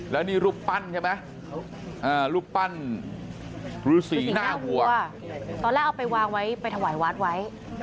แล้วนี่รูปปั้นใช่ไหมรูปปั้นฤษีหน้าวัวตอนแรกเอาไปวางไว้ไปถวายวัดไว้